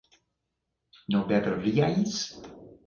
¿no beberíais?